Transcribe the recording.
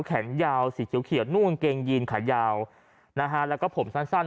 แขนยาวสีเขียวนุ่งกางเกงยีนขายาวนะฮะแล้วก็ผมสั้นสั้น